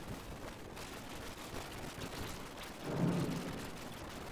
Nilinde siku zote.